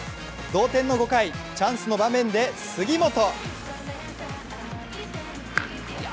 同点の５回、チャンスの場面で杉本！